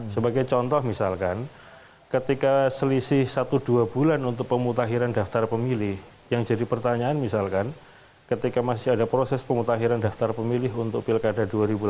sebagai contoh misalkan ketika selisih satu dua bulan untuk pemutakhiran daftar pemilih yang jadi pertanyaan misalkan ketika masih ada proses pemutakhiran daftar pemilih untuk pilkada dua ribu delapan belas